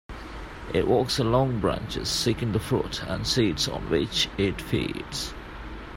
It walks along branches seeking the fruit and seeds on which it feeds.